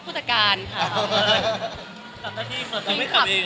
ผู้จัดการค่ะ